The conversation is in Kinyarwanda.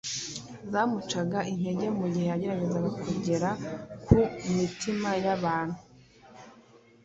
zamucaga intege mu gihe yageragezaga kugera ku mitima y’abantu.